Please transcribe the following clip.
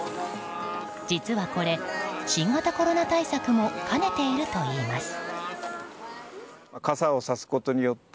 実はこれ、新型コロナ対策も兼ねているといいます。